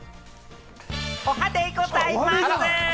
おはデイございます！